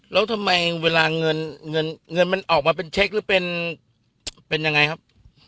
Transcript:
แล้วทำไมเวลาเงินเงินมันออกมาเป็นเช็คหรือเป็นยังไงครับ